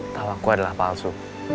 tahu aku adalah palsu